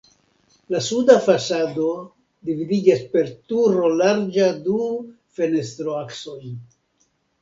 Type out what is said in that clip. La suda fasado dividiĝas per turo larĝa du fenestroaksojn.